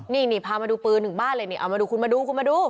นี่พามาดูปืนหนึ่งบ้านเลยนี่เอามาดูคุณมาดูคุณมาดู